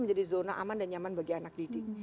menjadi zona aman dan nyaman bagi anak didik